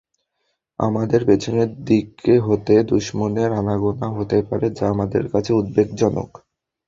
আমাদের পেছনের দিক হতে দুশমনের আনাগোনা হতে পারে, যা আমাদের জন্য উদ্বেগজনক।